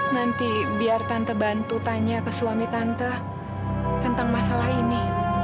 nanti biar tante tanya ke suami tante tentang masalah ini